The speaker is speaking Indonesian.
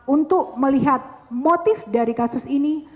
untuk melihat motif dari kasus ini